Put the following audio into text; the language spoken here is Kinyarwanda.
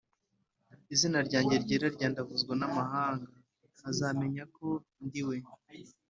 izina ryanjye ryera ryandavuzwa n amahanga azamenya ko ndi we